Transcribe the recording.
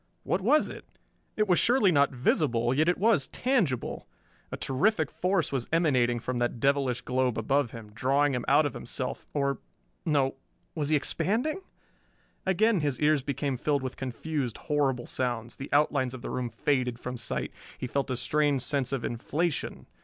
What was it? It was surely not visible, yet it was tangible. A terrific force was emanating from that devilish globe above him, drawing him out of himself or no was he expanding? Again his ears became filled with confused, horrible sounds, the outlines of the room faded from sight, he felt a strange sense of inflation